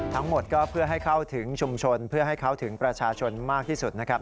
ทั้งหมดก็เพื่อให้เข้าถึงชุมชนเพื่อให้เขาถึงประชาชนมากที่สุดนะครับ